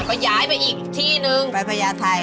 ก็ย้ายไปอีกที่นึงไปพญาไทย